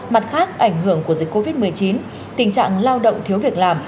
mặt khác ảnh hưởng của dịch covid một mươi chín tình trạng lao động thiếu việc làm